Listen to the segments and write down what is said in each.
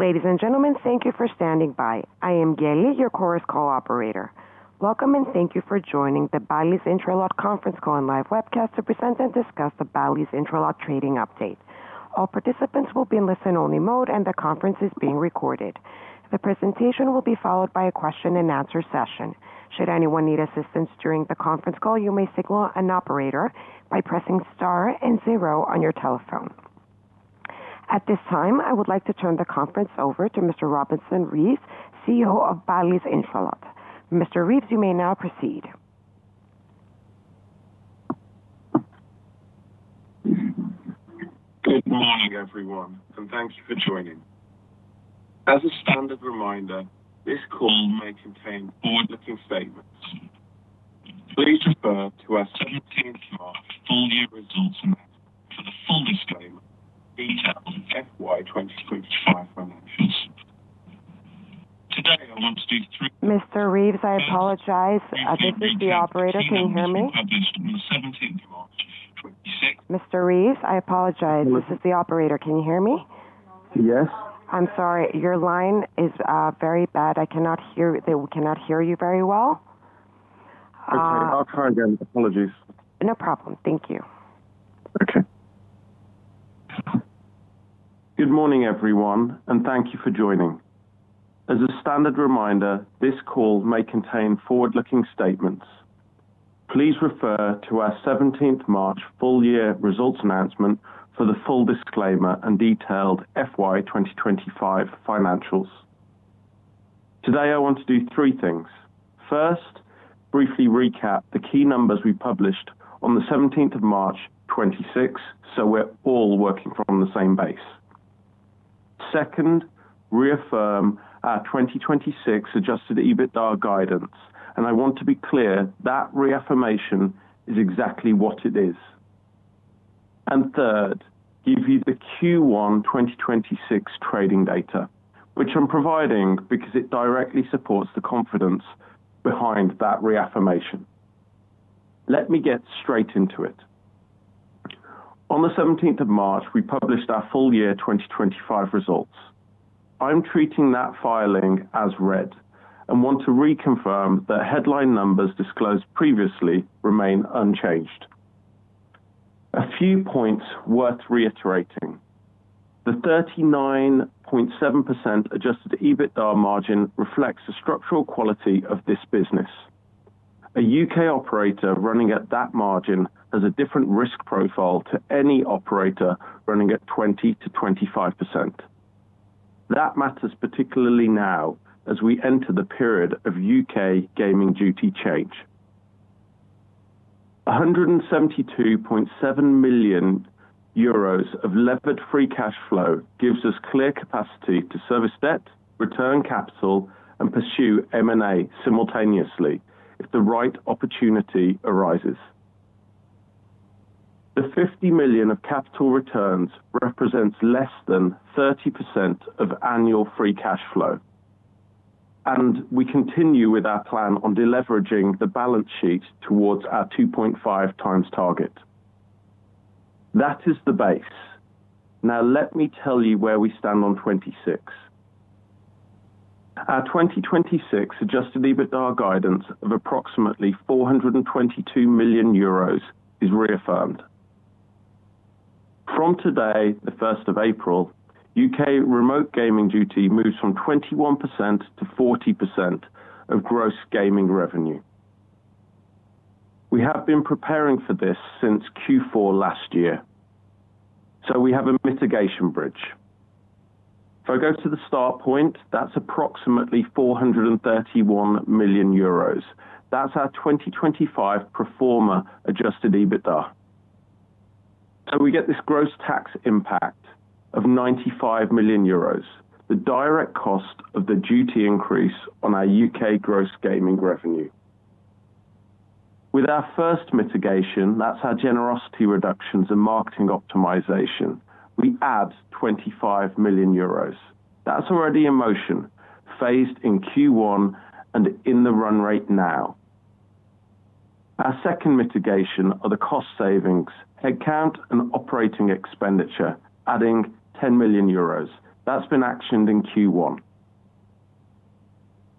Ladies and gentlemen, thank you for standing by. I am Geli, your Chorus Call operator. Welcome, and thank you for joining the Bally's Intralot Conference Call and Live Webcast to present and discuss the Bally's Intralot trading update. All participants will be in listen-only mode, and the conference is being recorded. The presentation will be followed by a question-and-answer session. Should anyone need assistance during the conference call, you may signal an operator by pressing star and zero on your telephone. At this time, I would like to turn the conference over to Mr. Robeson Reeves, CEO of Bally's Intralot. Mr. Reeves, you may now proceed. Good morning, everyone, and thanks for joining. As a standard reminder, this call may contain forward-looking statements. Please refer to our 17th of March full-year results announcement for the full disclaimer, detailed FY 2023 to 2025 financials. Today, I want to do three- Mr. Reeves, I apologize. This is the operator. Can you hear me? published on the 17th of March 2026. Mr. Reeves, I apologize. This is the operator. Can you hear me? Yes. I'm sorry. Your line is very bad. They cannot hear you very well. Okay. I'll try again. Apologies. No problem. Thank you. Okay. Good morning, everyone, and thank you for joining. As a standard reminder, this call may contain forward-looking statements. Please refer to our 17 March full year results announcement for the full disclaimer and detailed FY 2025 financials. Today, I want to do three things. First, briefly recap the key numbers we published on the 17 March 2026, so we're all working from the same base. Second, reaffirm our 2026 Adjusted EBITDA guidance, and I want to be clear that reaffirmation is exactly what it is. Third, give you the Q1 2026 trading data, which I'm providing because it directly supports the confidence behind that reaffirmation. Let me get straight into it. On the 17 March, we published our full year 2025 results. I'm treating that filing as read and want to reconfirm that headline numbers disclosed previously remain unchanged. A few points worth reiterating. The 39.7% Adjusted EBITDA margin reflects the structural quality of this business. A UK operator running at that margin has a different risk profile to any operator running at 20%-25%. That matters particularly now as we enter the period of UK gaming duty change. 172.7 million euros of levered free cash flow gives us clear capacity to service debt, return capital, and pursue M&A simultaneously if the right opportunity arises. The 50 million of capital returns represents less than 30% of annual free cash flow. We continue with our plan on deleveraging the balance sheet towards our 2.5x target. That is the base. Now let me tell you where we stand on 2026. Our 2026 Adjusted EBITDA guidance of approximately 422 million euros is reaffirmed. From today, the first of April, UK Remote Gaming Duty moves from 21% to 40% of Gross Gaming Revenue. We have been preparing for this since Q4 last year, so we have a mitigation bridge. If I go to the start point, that's approximately 431 million euros. That's our 2025 pro forma Adjusted EBITDA. We get this gross tax impact of 95 million euros, the direct cost of the duty increase on our UK Gross Gaming Revenue. With our first mitigation, that's our generosity reductions and marketing optimization, we add 25 million euros. That's already in motion, phased in Q1 and in the run rate now. Our second mitigation are the cost savings, headcount, and operating expenditure, adding 10 million euros. That's been actioned in Q1.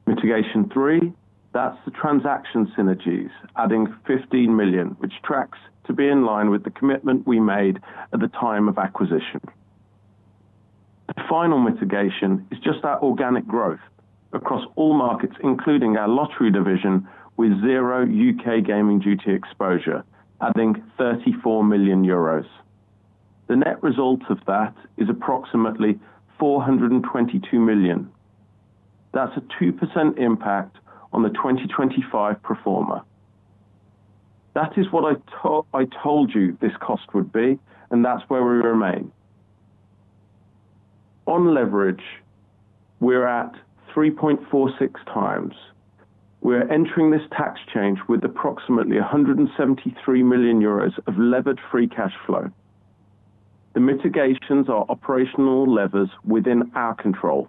Mitigation 3, that's the transaction synergies, adding 15 million, which tracks to be in line with the commitment we made at the time of acquisition. The final mitigation is just our organic growth across all markets, including our lottery division with zero UK gaming duty exposure, adding 34 million euros. The net result of that is approximately 422 million. That's a 2% impact on the 2025 pro forma. That is what I told you this cost would be, and that's where we remain. On leverage, we're at 3.46 times. We're entering this tax change with approximately 173 million euros of Levered Free Cash Flow. The mitigations are operational levers within our control.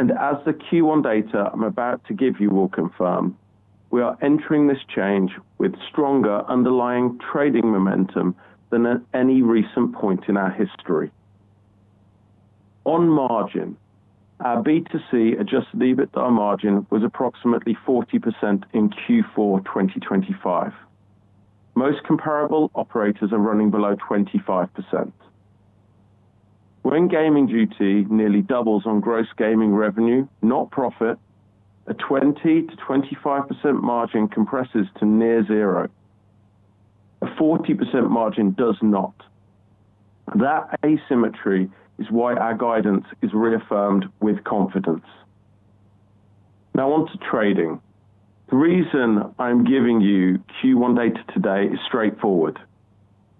As the Q1 data I'm about to give you will confirm, we are entering this change with stronger underlying trading momentum than at any recent point in our history. On margin, our B2C Adjusted EBITDA margin was approximately 40% in Q4 2025. Most comparable operators are running below 25%. When gaming duty nearly doubles on Gross Gaming Revenue, not profit, a 20%-25% margin compresses to near zero. A 40% margin does not. That asymmetry is why our guidance is reaffirmed with confidence. Now on to trading. The reason I'm giving you Q1 data today is straightforward.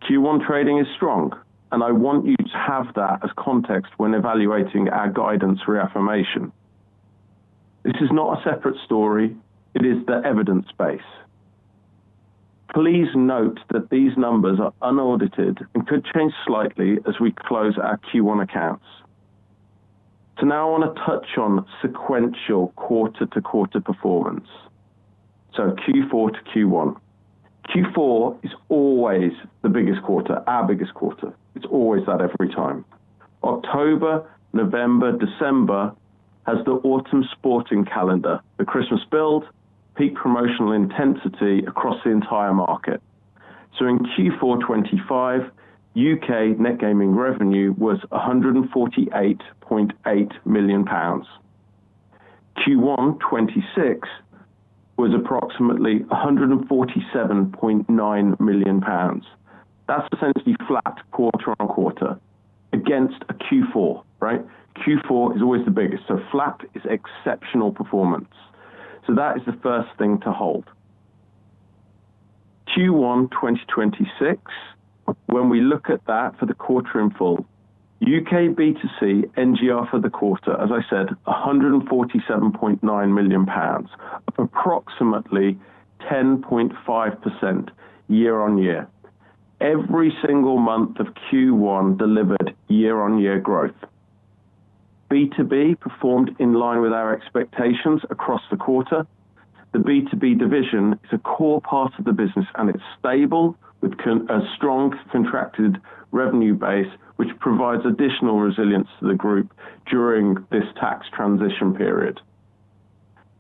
Q1 trading is strong, and I want you to have that as context when evaluating our guidance reaffirmation. This is not a separate story. It is the evidence base. Please note that these numbers are unaudited and could change slightly as we close our Q1 accounts. Now I want to touch on sequential quarter-to-quarter performance. Q4 to Q1. Q4 is always the biggest quarter, our biggest quarter. It's always that every time. October, November, December has the autumn sporting calendar, the Christmas build, peak promotional intensity across the entire market. In Q4 2025, UK net gaming revenue was 148.8 million pounds. Q1 2026 was approximately 147.9 million pounds. That's essentially flat quarter-on-quarter against a Q4, right? Q4 is always the biggest, so flat is exceptional performance. That is the first thing to hold. Q1 2026, when we look at that for the quarter in full, UK B2C NGR for the quarter, as I said, 147.9 million pounds, approximately 10.5% year-on-year. Every single month of Q1 delivered year-on-year growth. B2B performed in line with our expectations across the quarter. The B2B division is a core part of the business and it's stable with a strong contracted revenue base, which provides additional resilience to the group during this tax transition period.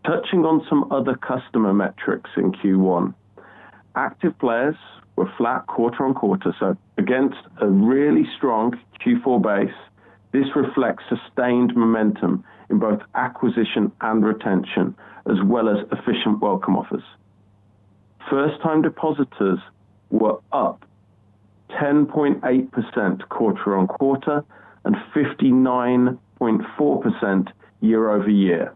Touching on some other customer metrics in Q1. Active players were flat quarter-on-quarter, so against a really strong Q4 base, this reflects sustained momentum in both acquisition and retention, as well as efficient welcome offers. First-time depositors were up 10.8% quarter-on-quarter and 59.4% year-over-year.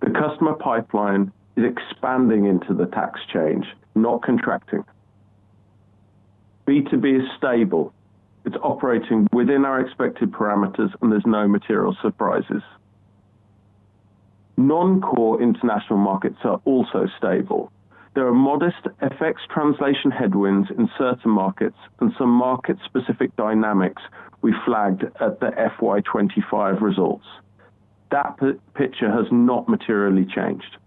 The customer pipeline is expanding into the tax change, not contracting. B2B is stable. It's operating within our expected parameters, and there's no material surprises. Non-core international markets are also stable. There are modest FX translation headwinds in certain markets and some market-specific dynamics we flagged at the FY 2025 results. That picture has not materially changed.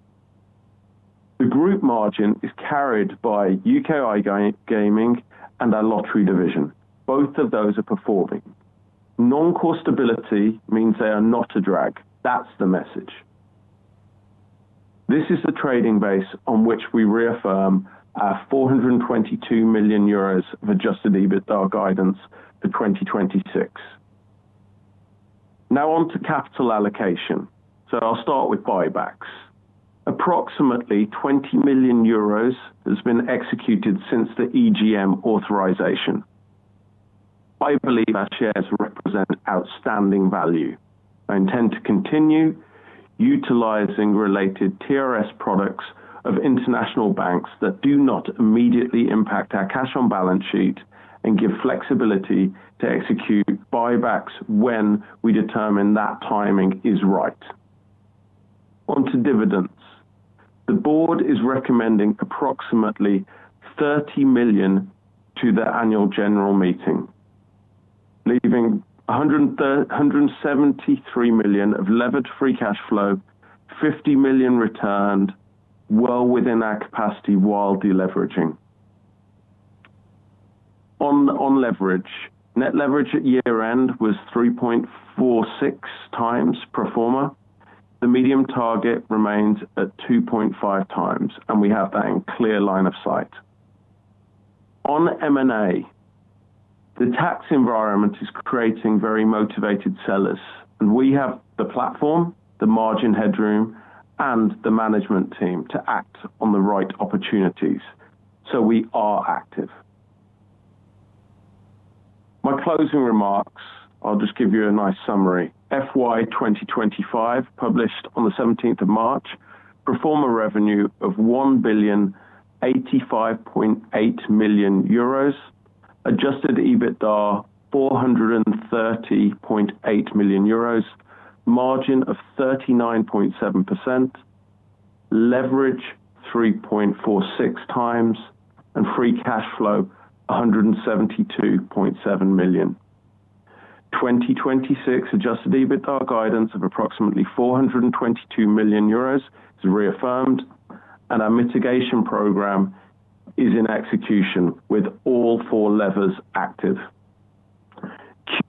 The group margin is carried by UKI Gaming and our lottery division. Both of those are performing. Non-core stability means they are not a drag. That's the message. This is the trading base on which we reaffirm our 422 million euros of Adjusted EBITDA guidance for 2026. Now on to capital allocation. I'll start with buybacks. Approximately 20 million euros has been executed since the EGM authorization. I believe our shares represent outstanding value. I intend to continue utilizing related TRS products of international banks that do not immediately impact our cash on balance sheet and give flexibility to execute buybacks when we determine that timing is right. Onto dividends. The board is recommending approximately 30 million to the annual general meeting, leaving 173 million of levered free cash flow, 50 million returned well within our capacity while deleveraging. On leverage, net leverage at year-end was 3.46 times pro forma. The medium target remains at 2.5 times, and we have that in clear line of sight. On M&A, the tax environment is creating very motivated sellers, and we have the platform, the margin headroom, and the management team to act on the right opportunities. We are active. My closing remarks, I'll just give you a nice summary. FY 2025, published on the 17th of March, pro forma revenue of 1,085.8 million euros. Adjusted EBITDA, 430.8 million euros. Margin of 39.7%. Leverage 3.46 times and free cash flow 172.7 million. 2026 Adjusted EBITDA guidance of approximately 422 million euros is reaffirmed and our mitigation program is in execution with all four levers active.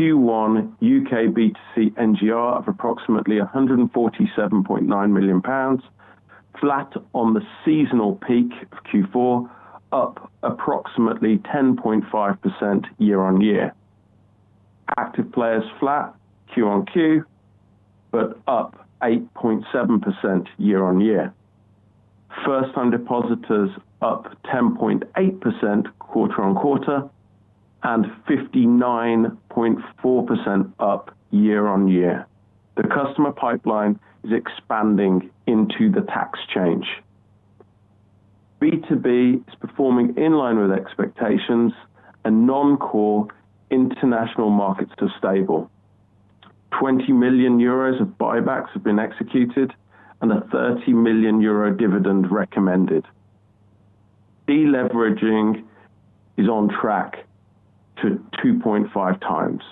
Q1 UK B2C NGR of approximately 147.9 million pounds, flat on the seasonal peak of Q4, up approximately 10.5% year-on-year. Active players flat Q-on-Q, but up 8.7% year-on-year. First-time depositors up 10.8% quarter-on-quarter and 59.4% up year-on-year. The customer pipeline is expanding into the tax change. B2B is performing in line with expectations and non-core international markets stable. 20 million euros of buybacks have been executed and a 30 million euro dividend recommended. Deleveraging is on track to 2.5 times.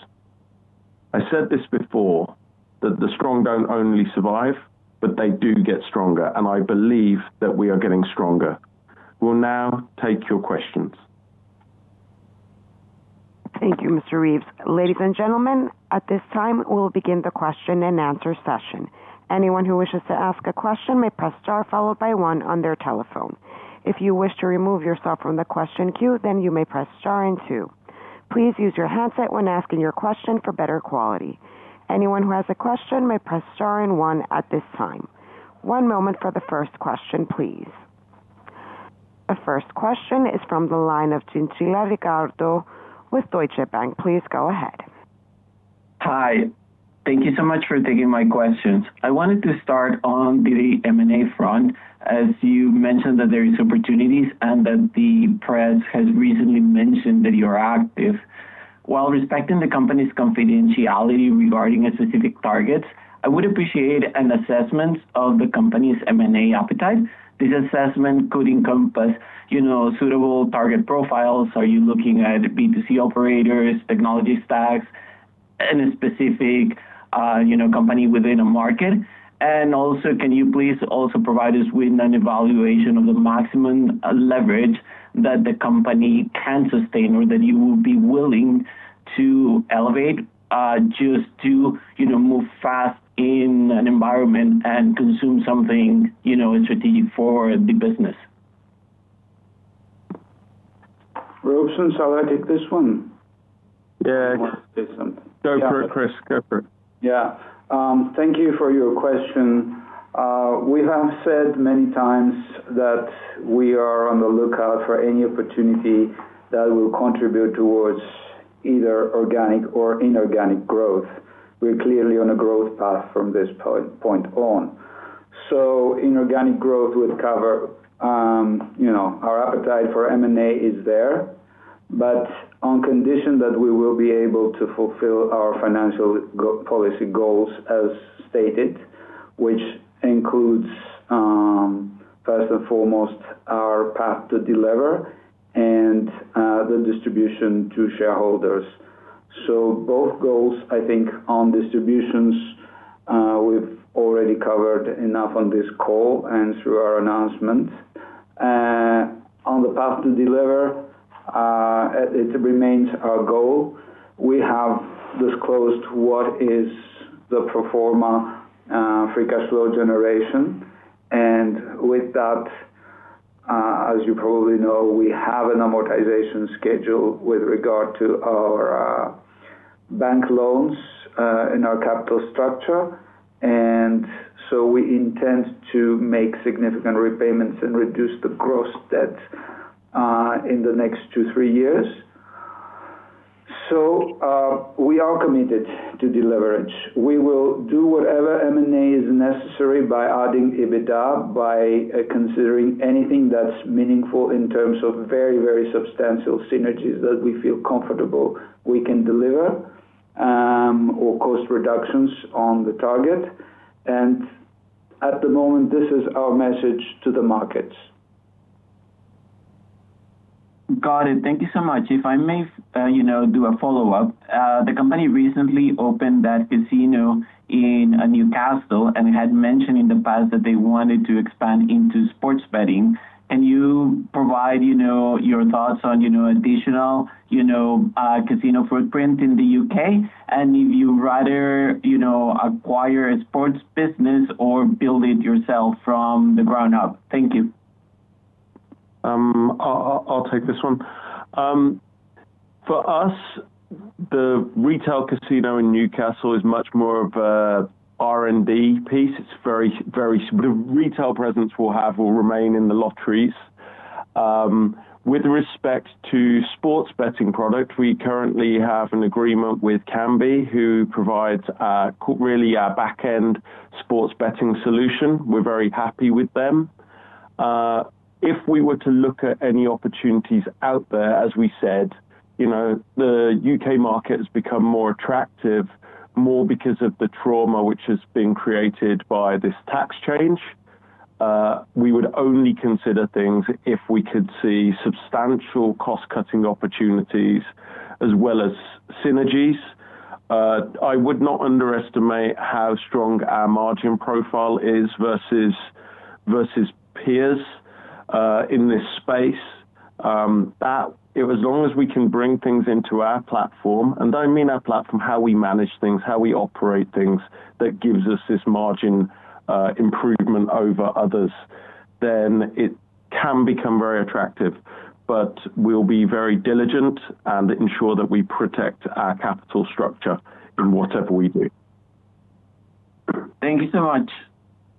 I said this before that the strong don't only survive, but they do get stronger, and I believe that we are getting stronger. We'll now take your questions. Thank you, Mr. Reeves. Ladies and gentlemen, at this time we'll begin the question-and-answer session. Anyone who wishes to ask a question may press star followed by one on their telephone. If you wish to remove yourself from the question queue, then you may press star and two. Please use your headset when asking your question for better quality. Anyone who has a question may press star and one at this time. One moment for the first question, please. The first question is from the line of Ricardo Chinchilla with Deutsche Bank. Please go ahead. Hi. Thank you so much for taking my questions. I wanted to start on the M&A front. As you mentioned that there is opportunities and that the press has recently mentioned that you are active. While respecting the company's confidentiality regarding a specific target, I would appreciate an assessment of the company's M&A appetite. This assessment could encompass, you know, suitable target profiles. Are you looking at B2C operators, technology stacks, any specific, you know, company within a market? And also, can you please also provide us with an evaluation of the maximum leverage that the company can sustain or that you would be willing to elevate, just to, you know, move fast in an environment and consume something, you know, strategic for the business? Robeson, shall I take this one? Yeah. If you want to say something. Go for it, Chris. Go for it. Yeah. Thank you for your question. We have said many times that we are on the lookout for any opportunity that will contribute towards either organic or inorganic growth. We're clearly on a growth path from this point on. Inorganic growth would cover, you know, our appetite for M&A is there, but on condition that we will be able to fulfill our financial policy goals as stated, which includes, first and foremost our path to delever and, the distribution to shareholders. Both goals, I think on distributions, we've already covered enough on this call and through our announcement. On the path to delever, it remains our goal. We have disclosed what is the pro forma free cash flow generation. With that, as you probably know, we have an amortization schedule with regard to our bank loans in our capital structure. We intend to make significant repayments and reduce the gross debt in the next two, three years. We are committed to deleverage. We will do whatever M&A is necessary by adding EBITDA, by considering anything that's meaningful in terms of very, very substantial synergies that we feel comfortable we can deliver, or cost reductions on the target. At the moment, this is our message to the markets. Got it. Thank you so much. If I may, you know, do a follow-up. The company recently opened that casino in Newcastle and had mentioned in the past that they wanted to expand into sports betting. Can you provide, you know, your thoughts on, you know, additional, you know, casino footprint in the U.K., and if you'd rather, you know, acquire a sports business or build it yourself from the ground up? Thank you. I'll take this one. For us, the retail casino in Newcastle is much more of a R&D piece. It's very. The retail presence we'll have will remain in the lotteries. With respect to sports betting product, we currently have an agreement with Kambi, who provides really our back-end sports betting solution. We're very happy with them. If we were to look at any opportunities out there, as we said, you know, the U.K. market has become more attractive, more because of the drama which has been created by this tax change. We would only consider things if we could see substantial cost-cutting opportunities as well as synergies. I would not underestimate how strong our margin profile is versus peers in this space. That, as long as we can bring things into our platform, and I mean our platform, how we manage things, how we operate things, that gives us this margin improvement over others, then it can become very attractive. We'll be very diligent and ensure that we protect our capital structure in whatever we do. Thank you so much.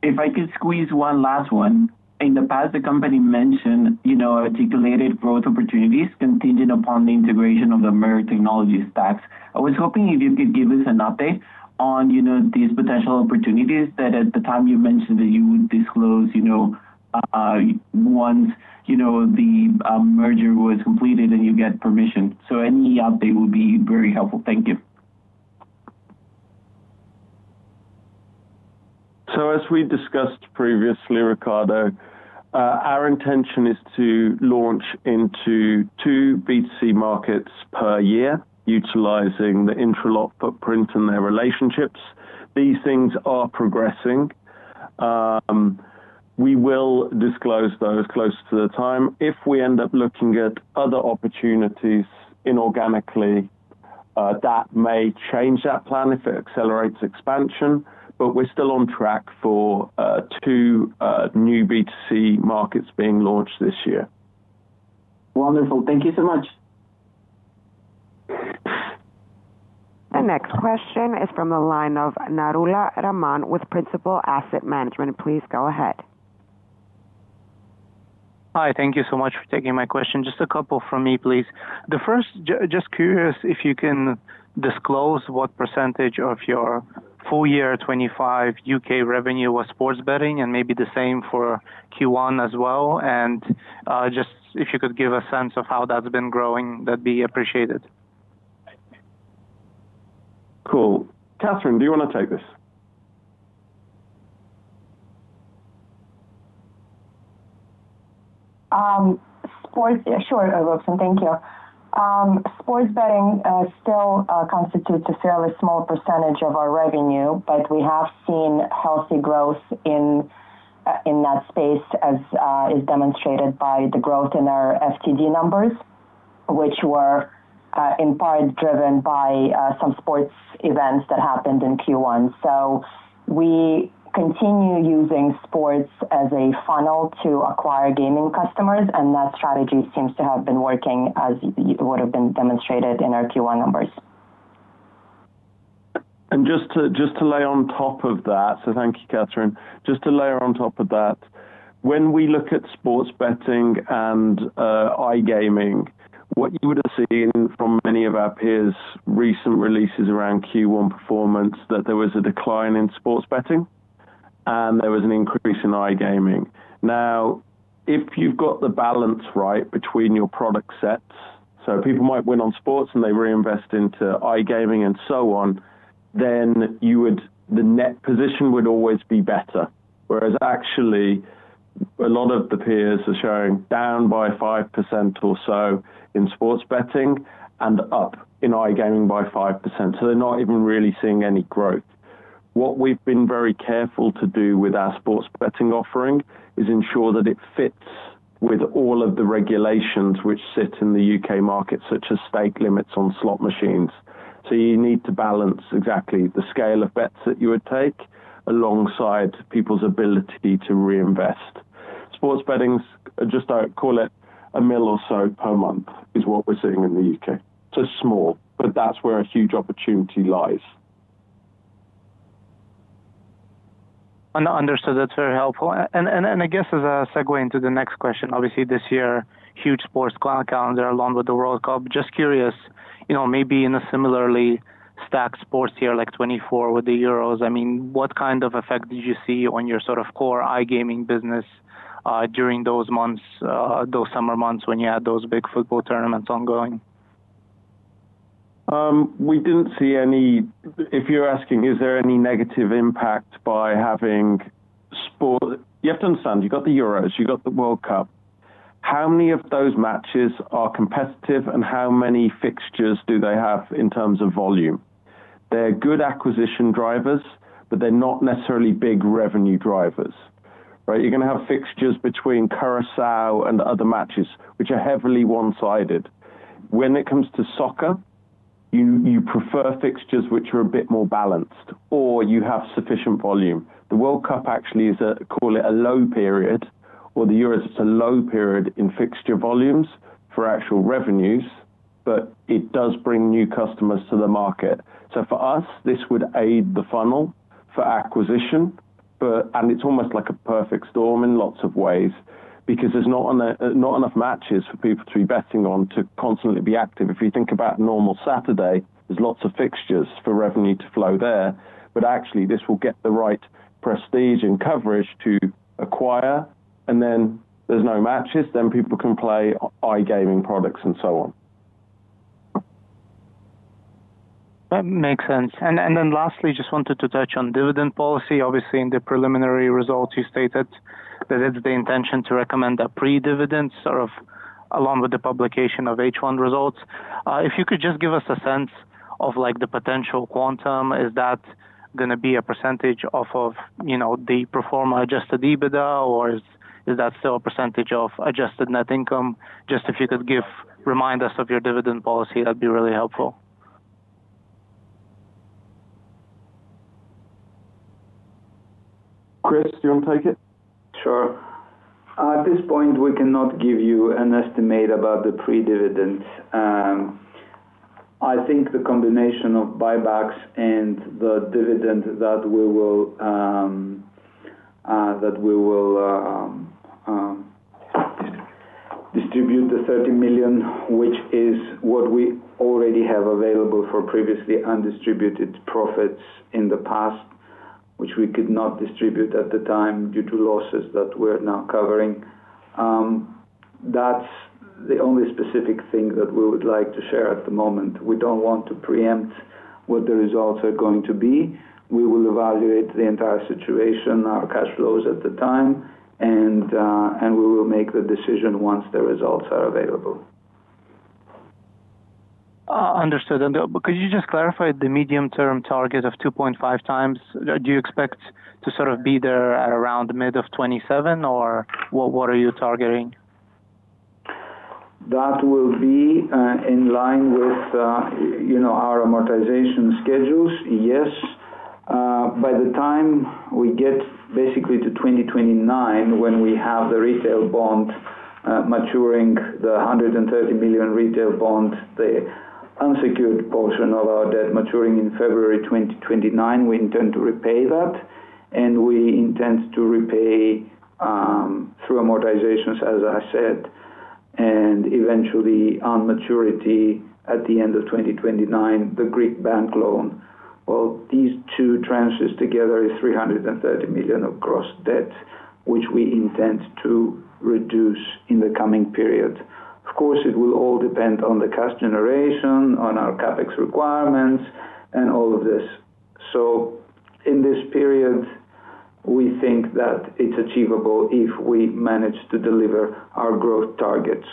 If I could squeeze one last one. In the past, the company mentioned, you know, articulated growth opportunities contingent upon the integration of the Merit technology stacks. I was hoping if you could give us an update on, you know, these potential opportunities that at the time you mentioned that you would disclose, you know, once, you know, the merger was completed and you get permission. Any update would be very helpful. Thank you. As we discussed previously, Ricardo, our intention is to launch into two B2C markets per year utilizing the Intralot footprint and their relationships. These things are progressing. We will disclose those closer to the time. If we end up looking at other opportunities inorganically, that may change that plan if it accelerates expansion. We're still on track for two new B2C markets being launched this year. Wonderful. Thank you so much. The next question is from the line of Raman Narula with Principal Asset Management. Please go ahead. Hi. Thank you so much for taking my question. Just a couple from me, please. The first, just curious if you can disclose what percentage of your full year '25 U.K. revenue was sports betting and maybe the same for Q1 as well. Just if you could give a sense of how that's been growing, that'd be appreciated. Cool. Catherine, do you want to take this? Sure, Robeson Reeves. Thank you. Sports betting still constitutes a fairly small percentage of our revenue, but we have seen healthy growth in that space as is demonstrated by the growth in our FTD numbers, which were in part driven by some sports events that happened in Q1. We continue using sports as a funnel to acquire gaming customers, and that strategy seems to have been working as would have been demonstrated in our Q1 numbers. Thank you, Catherine. Just to layer on top of that, when we look at sports betting and iGaming, what you would have seen from many of our peers' recent releases around Q1 performance, that there was a decline in sports betting and there was an increase in iGaming. Now, if you've got the balance right between your product sets, so people might win on sports and they reinvest into iGaming and so on, the net position would always be better. Whereas actually a lot of the peers are showing down by 5% or so in sports betting and up in iGaming by 5%. They're not even really seeing any growth. What we've been very careful to do with our sports betting offering is ensure that it fits with all of the regulations which sit in the U.K. market, such as stake limits on slot machines. You need to balance exactly the scale of bets that you would take alongside people's ability to reinvest. Sports betting, just, call it 1 million or so per month, is what we're seeing in the U.K. Small, but that's where a huge opportunity lies. Understood. That's very helpful. I guess as a segue into the next question, obviously this year, huge sports calendar along with the World Cup. Just curious, you know, maybe in a similarly stacked sports year like 2024 with the Euros, I mean, what kind of effect did you see on your sort of core iGaming business, during those months, those summer months when you had those big football tournaments ongoing? If you're asking, is there any negative impact by having? You have to understand, you got the Euros, you got the World Cup. How many of those matches are competitive and how many fixtures do they have in terms of volume? They're good acquisition drivers, but they're not necessarily big revenue drivers, right? You're gonna have fixtures between Curaçao and other matches which are heavily one-sided. When it comes to soccer, you prefer fixtures which are a bit more balanced or you have sufficient volume. The World Cup actually is, call it, a low period, or the Euros is a low period in fixture volumes for actual revenues, but it does bring new customers to the market. For us, this would aid the funnel for acquisition, and it's almost like a perfect storm in lots of ways because there's not enough matches for people to be betting on to constantly be active. If you think about normal Saturday, there's lots of fixtures for revenue to flow there, but actually this will get the right prestige and coverage to acquire and then there's no matches, then people can play iGaming products and so on. That makes sense. Lastly, just wanted to touch on dividend policy. Obviously, in the preliminary results you stated that it's the intention to recommend a pre-dividend sort of along with the publication of H1 results. If you could just give us a sense of, like, the potential quantum. Is that gonna be a percentage off of, you know, the former Adjusted EBITDA, or is that still a percentage of adjusted net income? Just remind us of your dividend policy, that'd be really helpful. Chris, do you wanna take it? Sure. At this point, we cannot give you an estimate about the pre-dividend. I think the combination of buybacks and the dividend that we will distribute the 30 million, which is what we already have available for previously undistributed profits in the past, which we could not distribute at the time due to losses that we're now covering. That's the only specific thing that we would like to share at the moment. We don't want to preempt what the results are going to be. We will evaluate the entire situation, our cash flows at the time, and we will make the decision once the results are available. Understood. Could you just clarify the medium-term target of 2.5 times? Do you expect to sort of be there at around mid-2027, or what are you targeting? That will be in line with, you know, our amortization schedules. Yes. By the time we get basically to 2029 when we have the retail bond maturing, the 130 million retail bond, the unsecured portion of our debt maturing in February 2029, we intend to repay that, and we intend to repay through amortizations, as I said. Eventually, on maturity at the end of 2029, the Greek bank loan. Well, these two tranches together is 330 million of gross debt, which we intend to reduce in the coming period. Of course, it will all depend on the cash generation, on our CapEx requirements, and all of this. In this period, we think that it's achievable if we manage to deliver our growth targets.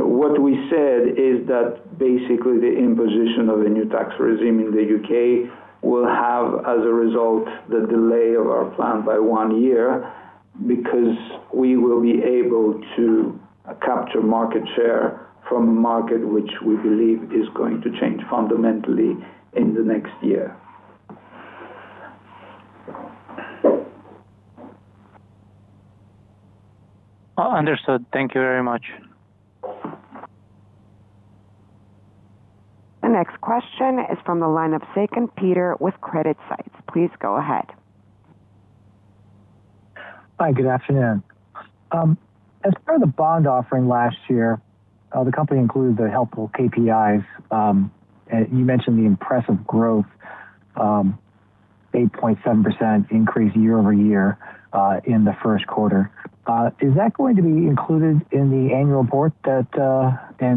What we said is that basically the imposition of a new tax regime in the U.K. will have, as a result, the delay of our plan by one year because we will be able to capture market share from a market which we believe is going to change fundamentally in the next year. Understood. Thank you very much. The next question is from the line of Peter Sakon with CreditSights. Please go ahead. Hi, good afternoon. As per the bond offering last year, the company included the helpful KPIs, and you mentioned the impressive growth, 8.7% increase year-over-year in the first quarter. Is that going to be included in the annual report and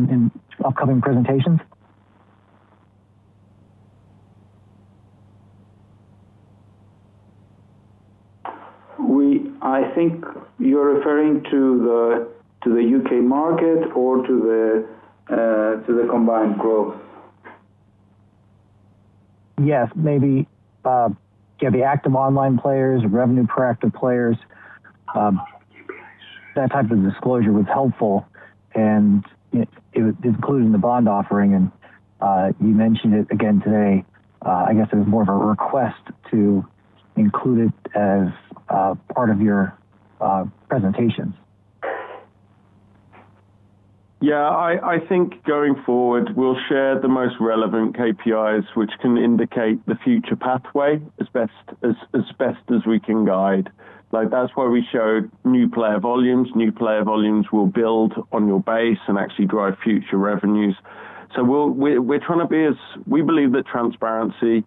in upcoming presentations? I think you're referring to the U.K. market or to the combined growth? Yes. Maybe, yeah, the active online players, revenue per active players, that type of disclosure was helpful and it was including the bond offering and, you mentioned it again today. I guess it was more of a request to include it as, part of your, presentations. Yeah, I think going forward, we'll share the most relevant KPIs which can indicate the future pathway as best as we can guide. Like, that's why we show new player volumes. New player volumes will build on your base and actually drive future revenues. We believe that transparency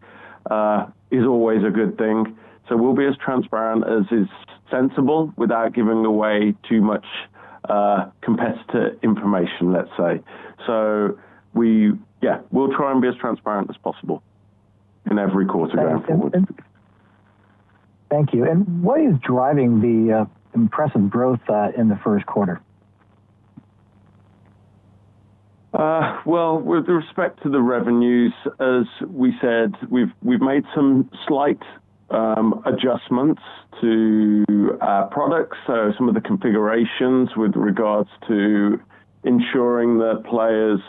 is always a good thing, so we'll be as transparent as is sensible without giving away too much competitor information, let's say. Yeah, we'll try and be as transparent as possible in every quarter going forward. Thank you. What is driving the impressive growth in the first quarter? Well, with respect to the revenues, as we said, we've made some slight adjustments to our products. Some of the configurations with regards to ensuring that players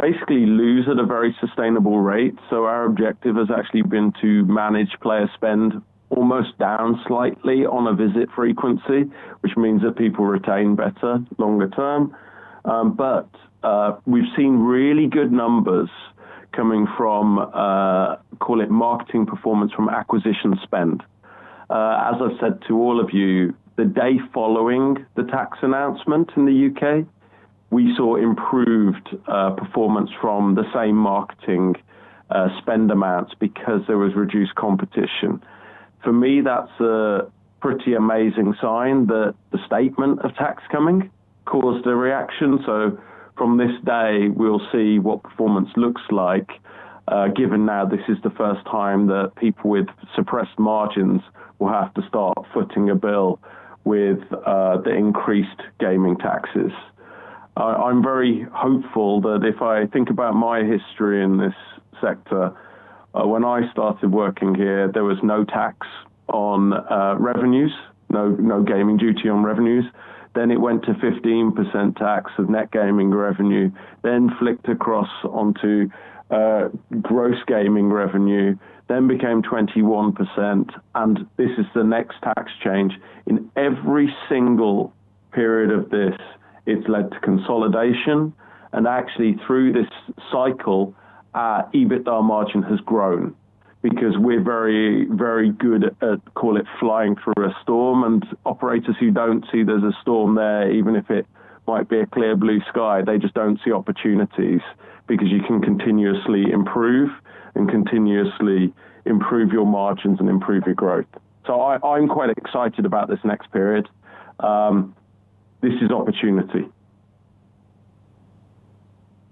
basically lose at a very sustainable rate. Our objective has actually been to manage player spend almost down slightly on a visit frequency, which means that people retain better longer term. We've seen really good numbers coming from call it marketing performance from acquisition spend. As I've said to all of you, the day following the tax announcement in the U.K., we saw improved performance from the same marketing spend amounts because there was reduced competition. For me, that's a pretty amazing sign that the statement of tax coming caused a reaction. From this day, we'll see what performance looks like, given now this is the first time that people with suppressed margins will have to start footing a bill with the increased gaming taxes. I'm very hopeful that if I think about my history in this sector, when I started working here, there was no tax on revenues, no gaming duty on revenues. Then it went to 15% tax of Net Gaming Revenue, then flicked across onto Gross Gaming Revenue, then became 21%, and this is the next tax change. In every single period of this, it's led to consolidation, and actually through this cycle, our EBITDA margin has grown because we're very, very good at, call it, flying through a storm, and operators who don't see there's a storm there, even if it might be a clear blue sky, they just don't see opportunities because you can continuously improve and continuously improve your margins and improve your growth. I'm quite excited about this next period. This is opportunity.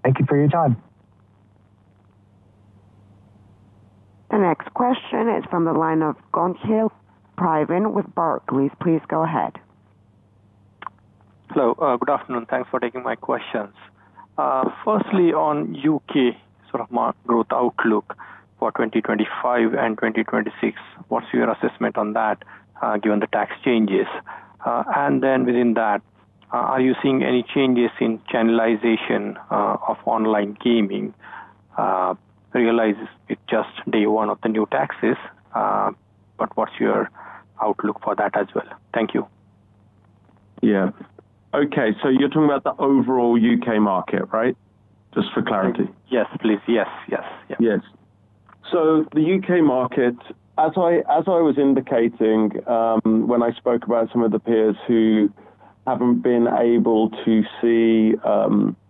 Thank you for your time. The next question is from the line of Praveen Choudhary with Barclays. Please go ahead. Hello. Good afternoon. Thanks for taking my questions. Firstly, on U.K. sort of growth outlook for 2025 and 2026, what's your assessment on that, given the tax changes? And then within that, are you seeing any changes in channelization of online gaming? I realize it's just day one of the new taxes, but what's your outlook for that as well? Thank you. Yeah. Okay, so you're talking about the overall UK market, right? Just for clarity. Yes, please. Yes, yes. Yeah. Yes. The UK market, as I was indicating, when I spoke about some of the peers who haven't been able to see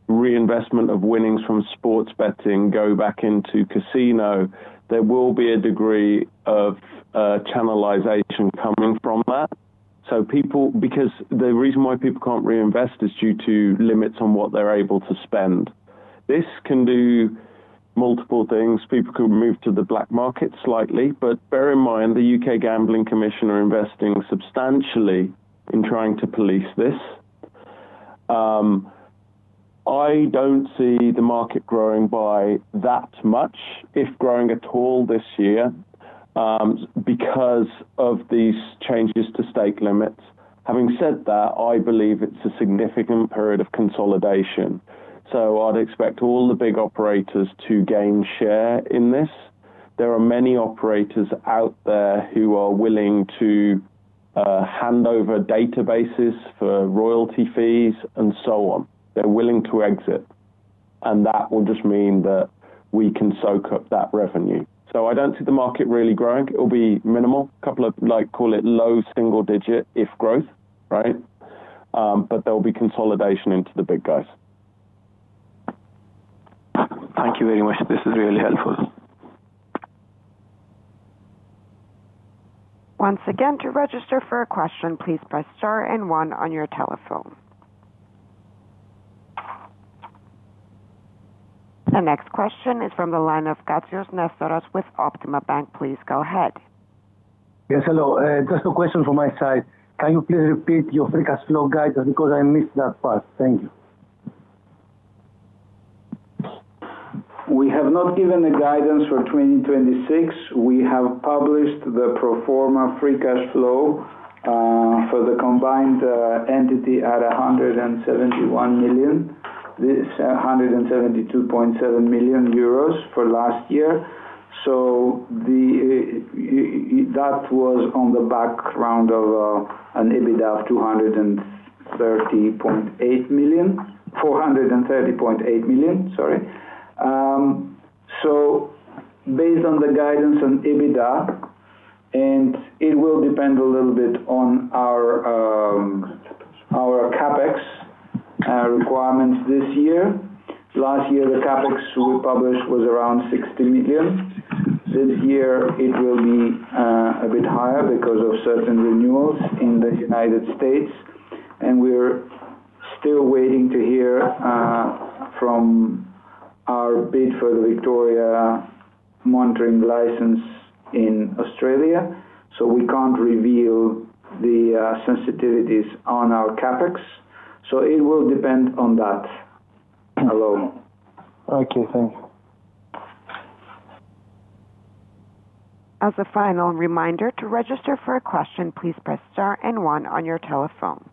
reinvestment of winnings from sports betting go back into casino, there will be a degree of channelization coming from that. People, because the reason why people can't reinvest is due to limits on what they're able to spend. This can do multiple things. People could move to the black market slightly, but bear in mind, the UK Gambling Commission are investing substantially in trying to police this. I don't see the market growing by that much, if growing at all this year, because of these changes to stake limits. Having said that, I believe it's a significant period of consolidation. I'd expect all the big operators to gain share in this. There are many operators out there who are willing to hand over databases for royalty fees and so on. They're willing to exit, and that will just mean that we can soak up that revenue. I don't see the market really growing. It'll be minimal. Couple of like, call it low single digit, if growth, right? There'll be consolidation into the big guys. Thank you very much. This is really helpful. The next question is from the line of Nestor Katsios with Optima Bank. Please go ahead. Yes, hello. Just a question from my side. Can you please repeat your free cash flow guidance because I missed that part? Thank you. We have not given a guidance for 2026. We have published the pro forma free cash flow for the combined entity at 171 million. 172.7 million euros for last year. That was on the background of an EBITDA of 430.8 million, sorry. Based on the guidance on EBITDA, and it will depend a little bit on our CapEx requirements this year. Last year, the CapEx we published was around 60 million. This year it will be a bit higher because of certain renewals in the United States, and we're still waiting to hear from our bid for the Victoria monitoring license in Australia, so we can't reveal the sensitivities on our CapEx. It will depend on that alone. Okay, thanks. As a final reminder, to register for a question, please press star and one on your telephone.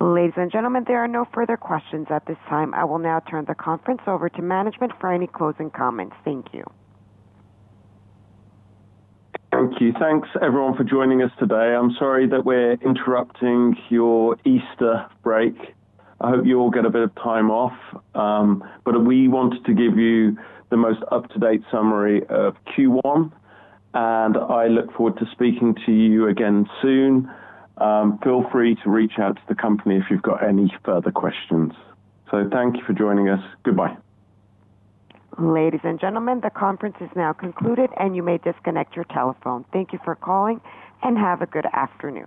Ladies and gentlemen, there are no further questions at this time. I will now turn the conference over to management for any closing comments. Thank you. Thank you. Thanks everyone for joining us today. I'm sorry that we're interrupting your Easter break. I hope you all get a bit of time off. But we wanted to give you the most up-to-date summary of Q1, and I look forward to speaking to you again soon. Feel free to reach out to the company if you've got any further questions. Thank you for joining us. Goodbye. Ladies and gentlemen, the conference is now concluded, and you may disconnect your telephone. Thank you for calling, and have a good afternoon.